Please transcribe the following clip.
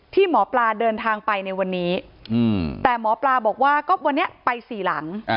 ที่หมอปลาเดินทางไปในวันนี้แต่หมอปลาบอกว่าก็วันนี้ไปสี่หลัง